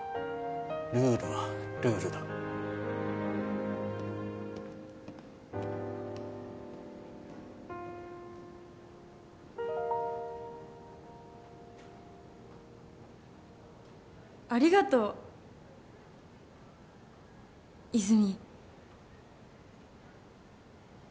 ルールはルールだありがとう泉